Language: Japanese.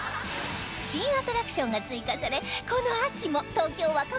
新アトラクションが追加されこの秋も東京若葉台で開催中